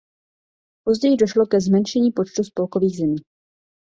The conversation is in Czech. Později došlo ke zmenšení počtu spolkových zemí.